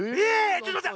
ちょっとまった！